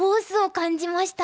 感じました？